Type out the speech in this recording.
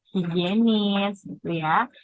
higienis gitu ya